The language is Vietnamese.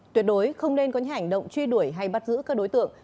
tuyệt đối không nên có những hành động truy đuổi hay bắt giữ các đối tượng